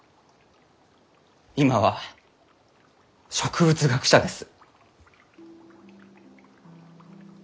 今は植物学者です。